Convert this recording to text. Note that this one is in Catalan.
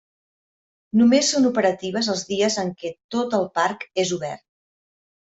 Només són operatives els dies en què tot el Parc és obert.